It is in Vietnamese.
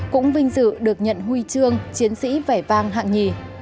cũng vinh dự được nhận huy chương chiến sĩ vẻ vang hạng nhì